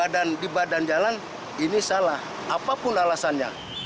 dan di badan jalan ini salah apapun alasannya